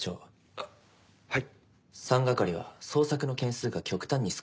あっはい。